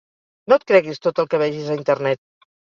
No et creguis tot el que vegis a internet.